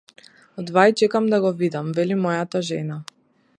Одвај чекам да го видам, вели мојата жена.